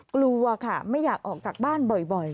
กลัวค่ะไม่อยากออกจากบ้านบ่อย